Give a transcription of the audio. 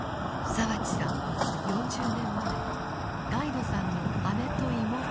澤地さんは４０年前ガイドさんの姉と妹に会っています。